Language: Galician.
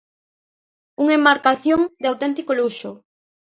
Unha embarcación de auténtico luxo.